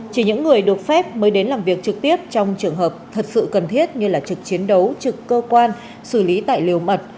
chỉ những người được phép mới đến làm việc trực tiếp trong trường hợp thật sự cần thiết như trực chiến đấu trực cơ quan xử lý tài liệu mật